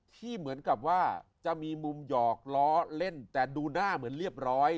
ที่เหมือนกับว่าจะมีมุมหยอกล้อเล่นแต่ดูหน้าเหมือนเรียบร้อย